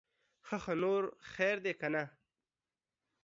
ښه ښه, نور خير دے که نه؟